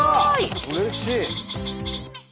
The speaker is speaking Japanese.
うれしい！